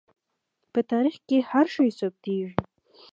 په تاریخ کې هر شی ثبتېږي.